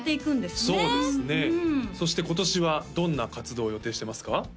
そうですねそして今年はどんな活動を予定してますか？